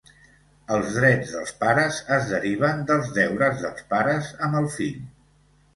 Els drets dels pares es deriven dels deures dels pares amb el fill.